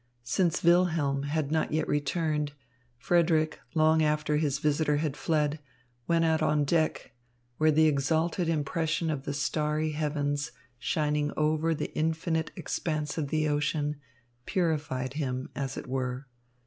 Since Wilhelm had not yet returned, Frederick, long after his visitor had fled, went out on deck, where the exalted impression of the starry heavens shining over the infinite expanse of the ocean, purified him, as it were.